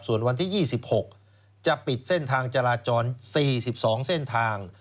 ส่วนวันที่๒๖จะปิดเส้นทางจราจร๔๒เส้นทาง